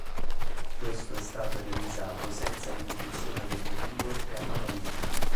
Questo è stato realizzato senza ripetizione del motivo e a mano libera.